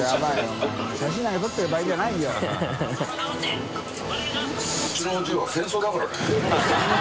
發写真なんか撮ってる場合じゃないんだよ。